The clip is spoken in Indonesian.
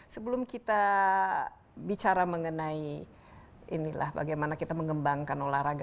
sebelum kita bicara mengenai inilah bagaimana kita mengembangkan olahraga